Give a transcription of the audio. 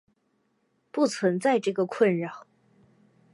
不存在这个困扰。